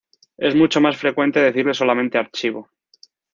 Es mucho más frecuente decirle solamente archivo.